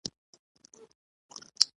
د سیند غاړې د زمري د شړلو لپاره خبرې کولی شي.